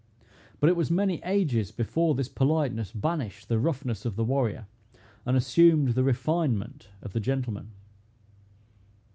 But it was many ages before this politeness banished the roughness of the warrior, and assumed the refinement of the gentleman.